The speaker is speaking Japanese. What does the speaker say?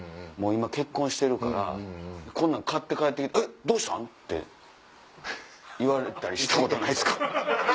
今結婚してるからこんなん買って帰って「えっどうしたん？」って言われたりしたことないっすか？